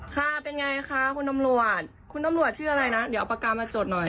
ค่ะเป็นไงคะคุณตำรวจคุณตำรวจชื่ออะไรนะเดี๋ยวเอาปากกามาจดหน่อย